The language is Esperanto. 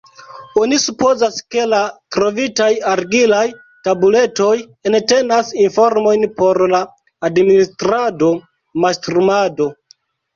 Oni supozas, ke la trovitaj argilaj tabuletoj entenas informojn por la administrado, mastrumado.